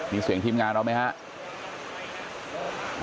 มีเสียงทีมงานเราไหมครับ